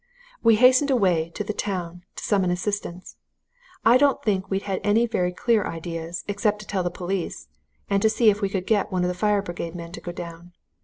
"We hastened away to the town to summon assistance. I don't think we had any very clear ideas, except to tell the police, and to see if we could get one of the fire brigade men to go down.